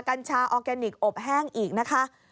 กัญชาออร์แกนิคอบแห้งอีกนะคะ